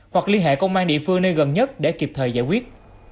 hoặc liên hệ công an địa phương nơi gần nhất để kịp thời giải quyết